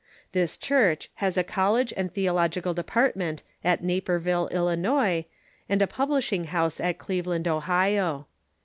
This Church has a college and theological department at Naperville, Illi nois, and a publishing house at Cleveland, Ohio.